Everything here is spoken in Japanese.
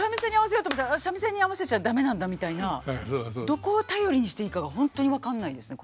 どこを頼りにしていいかがホントに分かんないんですね